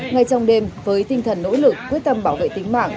ngay trong đêm với tinh thần nỗ lực quyết tâm bảo vệ tính mạng